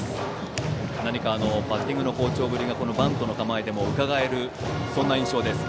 バッティングの好調ぶりがバントの構えでもうかがえるそんな印象です。